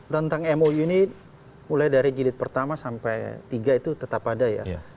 tentang mou ini mulai dari jilid pertama sampai tiga itu tetap ada ya